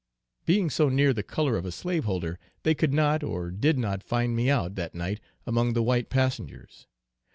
Being so near the color of a slaveholder, they could not, or did not find me out that night among the white passengers.